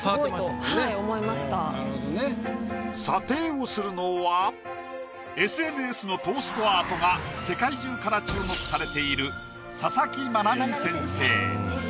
査定をするのはＳＮＳのトーストアートが世界中から注目されている。